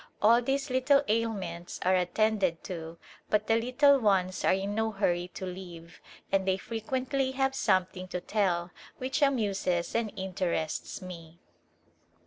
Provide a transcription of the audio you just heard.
All these little ailments are attended to, but the little ones are in no hurrv to leave, and they frequently have something to tell which amuses and interests me.